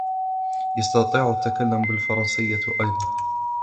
يستطيع التكلم بالفرنسية أيضا.